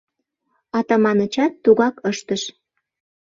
Атаманычат тугак ыштыш.